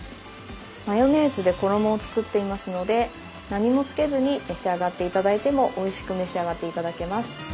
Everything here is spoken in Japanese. マヨネーズで衣を作っていますので何もつけずに召し上がって頂いてもおいしく召し上がって頂けます。